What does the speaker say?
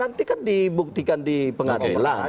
nanti kan dibuktikan di pengadilan